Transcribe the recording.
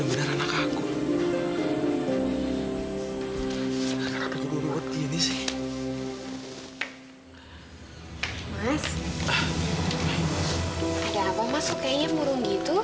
ya udah aku dulu deh